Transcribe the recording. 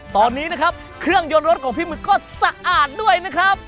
ตอนนี้นะครับเครื่องยนต์รถของพี่หมึกก็สะอาดด้วยนะครับ